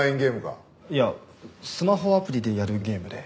いやスマホアプリでやるゲームで。